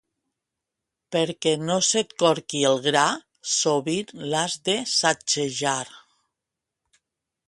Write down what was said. Perquè no se't corqui el gra, sovint l'has de sacsejar.